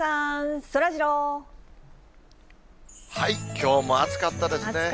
きょうも暑かったですね。